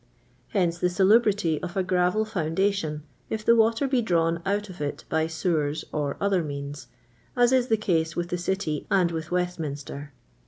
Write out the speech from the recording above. " Hence the salubrity of a gravel foundation, if the water be drawn out of it by sewers or other means, as is the case with the City and with "Westminster.